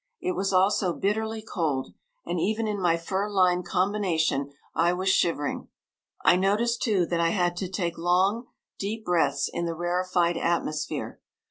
It was also bitterly cold, and even in my fur lined combination I was shivering. I noticed, too, that I had to take long, deep breaths in the rarefied atmosphere.